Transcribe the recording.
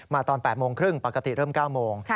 ตอน๘โมงครึ่งปกติเริ่ม๙โมง